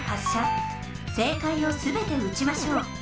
正解をすべて撃ちましょう。